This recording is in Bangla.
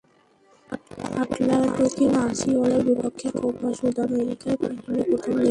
অ্যাটলেটিকো ন্যাসিওনালের বিপক্ষে কোপা সুদামেরিকানার ফাইনালের প্রথম লেগ খেলতে কলম্বিয়ায় যাচ্ছিল শাপেকোয়েনস।